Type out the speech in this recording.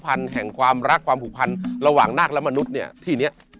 ในยานสัมพันธ์แห่งความรักความผูกพันระหว่างนักและมนุษย์